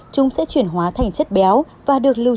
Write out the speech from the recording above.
chúng sẽ chuyển hóa thành chất béo và được lưu trữ